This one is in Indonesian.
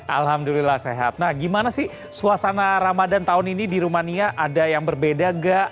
alhamdulillah sehat nah gimana sih suasana ramadan tahun ini di rumania ada yang berbeda gak